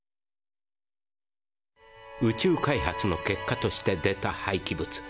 宇宙開発の結果として出たはいき物